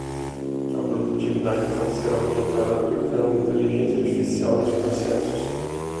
A produtividade pode ser aumentada aplicando inteligência artificial nos processos